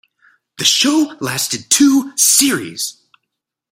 The show lasted two series.